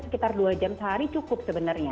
sekitar dua jam sehari cukup sebenarnya